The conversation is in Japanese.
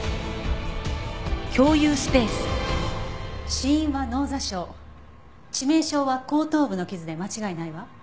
死因は脳挫傷致命傷は後頭部の傷で間違いないわ。